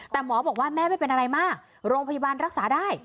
แต่หมอบอกว่าแม่ไม่เป็นอะไรมากโรงพยาบาลรักษาได้